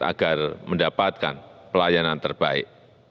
agar mendapatkan pelayanan terbaik